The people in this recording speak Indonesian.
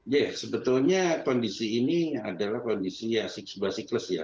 ya sebetulnya kondisi ini adalah kondisi sebuah siklus ya